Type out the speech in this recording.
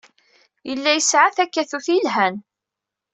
Yella yesɛa takatut yelhan.